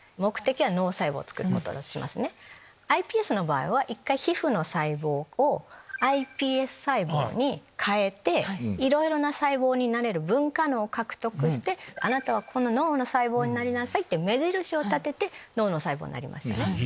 ｉＰＳの場合は１回皮膚の細胞をｉＰＳ細胞に変えていろいろな細胞になれる分化脳を獲得して「あなたはこの脳の細胞になりなさい」って目印を立てて脳の細胞になりましたね。